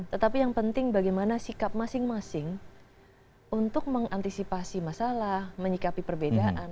tetapi yang penting bagaimana sikap masing masing untuk mengantisipasi masalah menyikapi perbedaan